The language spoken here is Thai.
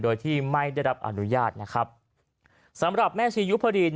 โดยที่ไม่ได้รับอนุญาตนะครับสำหรับแม่ชียุพดีน